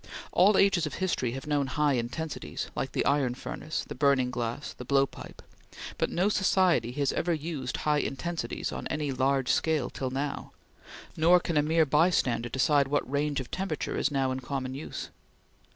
All ages of history have known high intensities, like the iron furnace, the burning glass, the blow pipe; but no society has ever used high intensities on any large scale till now, nor can a mere bystander decide what range of temperature is now in common use.